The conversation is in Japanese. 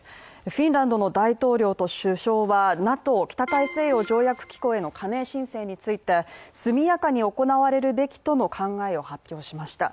フィンランドの大統領と首相はＮＡＴＯ＝北大西洋条約機構への加盟申請について速やかに行われるべきとの考えを発表しました。